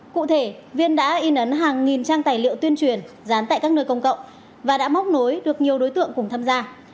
cụ thể viên đã in ấn hàng nghìn trang tài liệu tuyên truyền dán tại các nơi công cộng và đã móc nối được nhiều đối tượng cùng tham gia